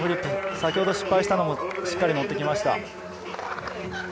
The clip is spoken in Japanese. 先ほど失敗したのも、しっかり乗ってきました。